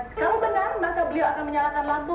kalau benar maka beliau akan menyalakan lampu